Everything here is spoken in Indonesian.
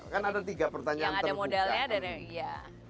kan ada tiga pertanyaan